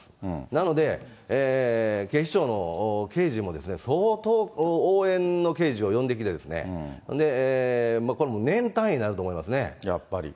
なので、警視庁の刑事も、相当応援の刑事を呼んできて、これも年単位になると思いますね。